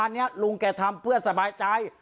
อันนี้ลุงแกทำเพื่อสบายใจ